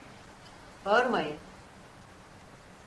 Bağırmayın.